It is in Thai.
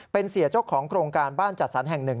เป็นเสียเจ้าของโครงการบ้านจัดสรรแห่งหนึ่ง